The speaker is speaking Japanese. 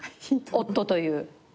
夫という。